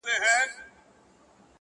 جوار د مرغیو خواړه هم دی.